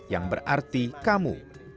yang berarti kamu